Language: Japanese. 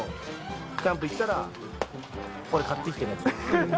キャンプ行ったら、これ買ってきてね。